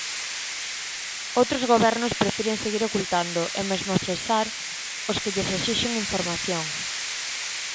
Outros gobernos prefiren seguir ocultando, e mesmo cesar os que lles esixen información.